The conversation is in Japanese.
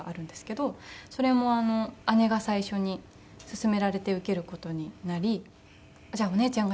それも姉が最初に勧められて受ける事になりじゃあお姉ちゃんが